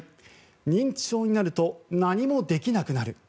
認知症になると何もできなくなる。